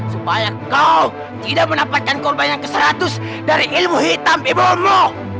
supaya kau tidak mendapatkan korban yang ke seratus dari ilmu hitam di bawahmu